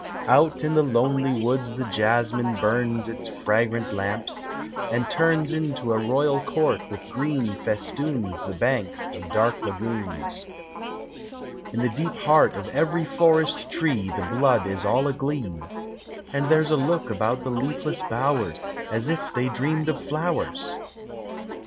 Out in the lonely woods the jasmine burns Its fragrant lamps, and turns Into a royal court with green festoons The banks of dark lagoons. In the deep heart of every forest tree The blood is all aglee, And there 's a look about the leafless bowers As if they dreamed of flowers.